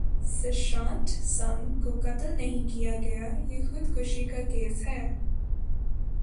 سشانت سنگھ کو قتل نہیں کیا گیا یہ خودکشی کا کیس ہے